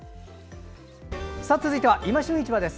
続いては「いま旬市場」です。